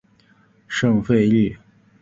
圣费利。